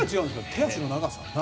手足の長さ？